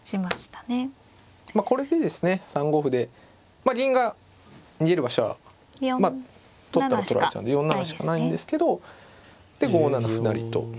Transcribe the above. まあ銀が逃げる場所はまあ取ったら取られちゃうんで４七しかないんですけどで５七歩成と。